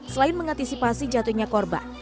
selain mengantisipasi jatuhnya korban